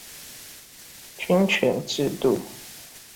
均權制度